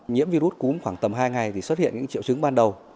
nhiễm virus cúm khoảng tầm hai ngày thì xuất hiện những triệu chứng ban đầu